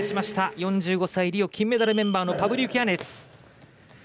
４５歳リオ金メダルメンバーのパブリウキアネツ。